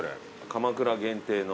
鎌倉限定の。